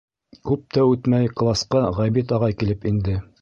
Күп тә үтмәй класҡа Ғәбит ағай килеп инде.